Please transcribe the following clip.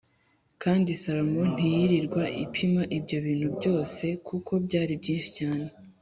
Kandi Salomo ntiyirirwa apima ibyo bintu byose kuko byari byinshi cyane